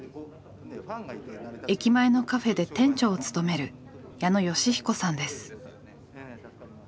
駅前のカフェで店長を務める矢野嘉彦さんです。